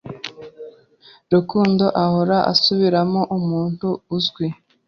Rukundo ahora asubiramo umuntu uzwi.